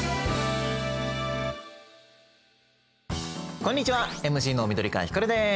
こんにちはＭＣの緑川光です。